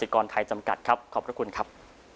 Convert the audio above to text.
ขอบพระคุณครับ